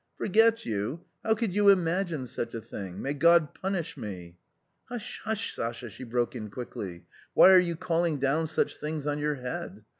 Forget you ; how could you imagine such a thing ? May God punish me !" "Hush, hush, Sasha," she broke in quickly; "why are you calling down such things on your head